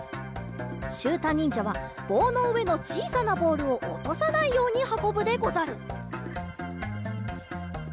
しゅうたにんじゃはぼうのうえのちいさなボールをおとさないようにはこぶでござる。